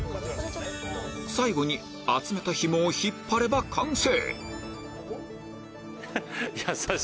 最後に集めたヒモを引っ張れば完成！